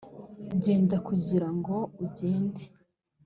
genda kugirango ugende